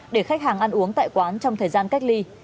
để khách hàng ăn uống tại quán trong thời gian cách ly